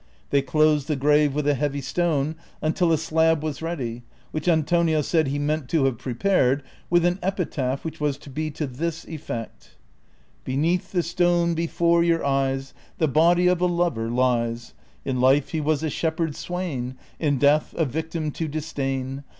They closed the grave Avith a heavy stone until a slab Avas ready Avhich Antonio said he meant to have prepared, Avith an epitaph Avhich Avas to be to this effect : Beneath the stone before your eyes The body of a lover lies ; In life he was a shepherd swain, In death a victim to disdain.